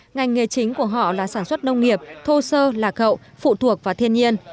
ngành nghề chính của họ là sản xuất nông nghiệp thô sơ lạc hậu phụ thuộc vào thiên nhiên